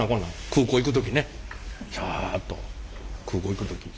空港行く時ね。と空港行く時に。